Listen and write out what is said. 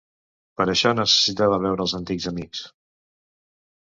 Per això necessitava veure els antics amics.